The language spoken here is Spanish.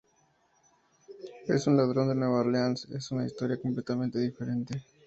Es un ladrón de Nueva Orleans, es una historia completamente diferente.